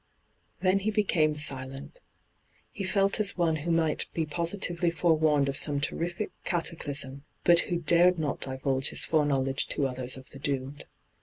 Then he became silent. He felt as one who might be positively forewarned of some terrific cataclysm, but who dared not divulge his foreknowledge to others of the doomed.